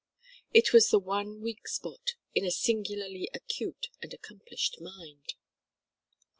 It was the one weak spot in a singularly acute and accomplished mind.